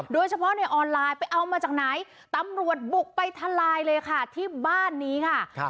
โดยเฉพาะในออนไลน์ไปเอามาจากไหนตำรวจบุกไปทลายเลยค่ะที่บ้านนี้ค่ะ